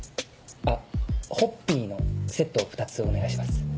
あっホッピーのセットを２つお願いします。